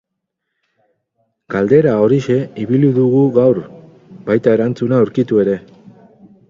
Galdera horixe ibili dugu gaur, baita erantzuna aurkitu ere.